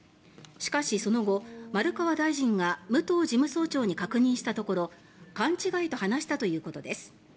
しかし、その後丸川大臣が武藤事務総長に確認したところ勘違いと話したということです。